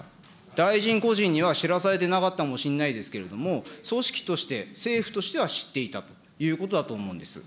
大臣個人には知らされてなかったのかもしれないですけど、組織として、政府としては知っていたということだと思うんです。